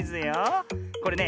これね